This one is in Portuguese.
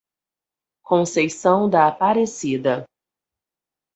Conceição da Aparecida